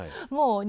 もう